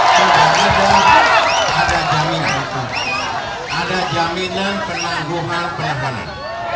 sudah ada ada jaminan penangguhan penahanan